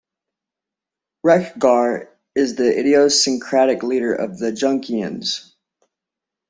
Wreck-Gar is the idiosyncratic leader of the Junkions.